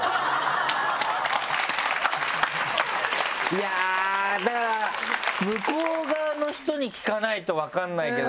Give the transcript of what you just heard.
いやぁだから向こう側の人に聞かないと分かんないけど。